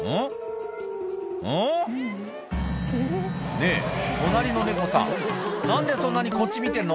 「ねぇ隣の猫さん何でそんなにこっち見てんの？」